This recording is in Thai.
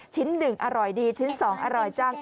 ๑อร่อยดีชิ้น๒อร่อยจัง